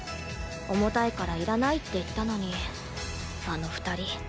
重たいからいらないって言ったのにあの二人。